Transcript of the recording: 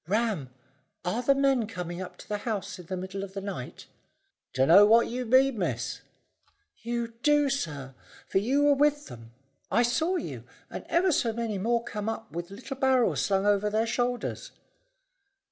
"Ram, are the men coming up to the house in the middle of the night?" "Dunno what you mean, miss." "You do, sir, for you were with them. I saw you and ever so many more come up with little barrels slung over their shoulders."